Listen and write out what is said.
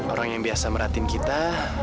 orang yang biasa merhatiin kita